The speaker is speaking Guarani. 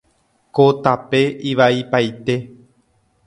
Ko tape ivaipaite.